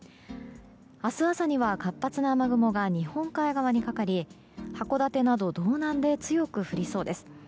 明日朝には、活発な雨雲が日本海側にかかり函館など道南で強く降りそうです。